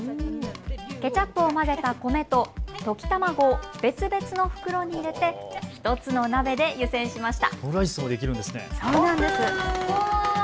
ケチャップを混ぜた米と溶き卵を別々の袋に入れて１つの鍋で湯煎しました。